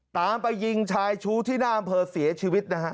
ตามไปยิงชายชู้ที่หน้าอำเภอเสียชีวิตนะฮะ